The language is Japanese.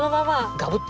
ガブッと。